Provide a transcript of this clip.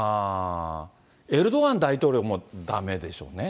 エルドアン大統領もだめでしょうね。